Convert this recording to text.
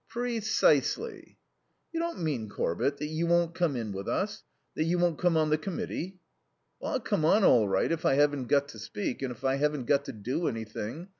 "Precisely." "You don't mean, Corbett, that you won't come in with us? That you won't come on the Committee?" "I'll come on all right if I haven't got to speak, and if I haven't got to do anything.